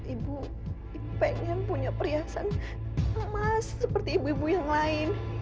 ibu pengen punya perhiasan mas seperti ibu ibu yang lain